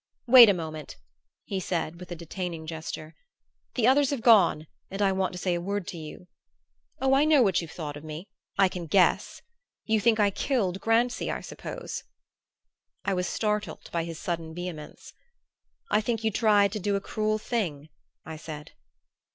"Wait a moment," he said with a detaining gesture. "The others have gone and I want to say a word to you. Oh, I know what you've thought of me I can guess! You think I killed Grancy, I suppose?" I was startled by his sudden vehemence. "I think you tried to do a cruel thing," I said.